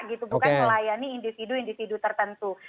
gitu bukan melayani individu individu tertentu